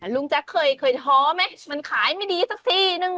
แจ๊คเคยท้อไหมมันขายไม่ดีสักทีนึง